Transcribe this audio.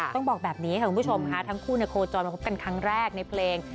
ต้องบอกแบบนี้ค่ะคุณผู้ชมค่ะทั้งคู่โคจรมาคบกันครั้งแรกในเพลง